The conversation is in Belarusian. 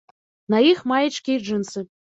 На іх маечкі і джынсы.